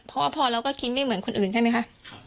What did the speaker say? เพราะว่าพอเราก็กินไม่เหมือนคนอื่นใช่ไหมคะ